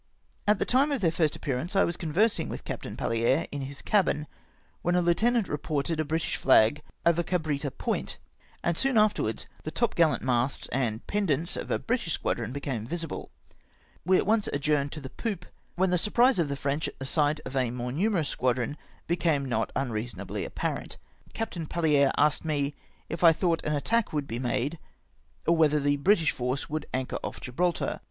At the time of their first appearance I was conversing with Captain Palliere in his cabin, when a lieutenant re ported a British flag over Cabritta point, and soon after wards the top gallant masts and pendants of a British squadi'on became visible. We at once adjourned to the poop, when the surprise of the French, at the sight of a more numerous squadron, became not unreasonably ATTACK BY SIR J. SAUMAREZ'S SQUADRON. 1'2'.> apparent ; Captain Palliero asked me " if I tlionglit an attack would be made, or whether the British force would anchor off GilDraltar